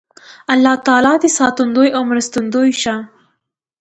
الله تعالی دې ساتندوی او مرستندوی شه